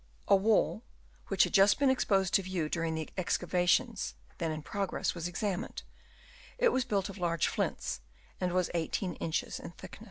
A wall, which had just been exposed to view during the excavations then in progress, was examined ; it was built of large flints, and was 18 inches in thickness.